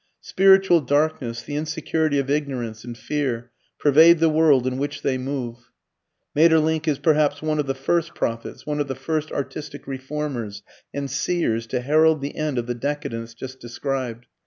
Spiritual darkness, the insecurity of ignorance and fear pervade the world in which they move. Maeterlinck is perhaps one of the first prophets, one of the first artistic reformers and seers to herald the end of the decadence just described.